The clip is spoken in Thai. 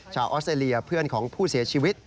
ออสเตรเลียเพื่อนของผู้เสียชีวิต